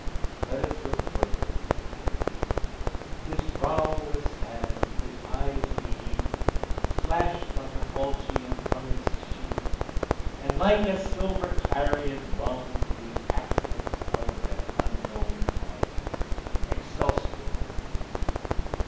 Let us look further into the matter: His brow was sad; his eyes beneath Flashed like a falchion from its sheath, And like a silver clarion rung The accents of that unknown tongue, Excelsior!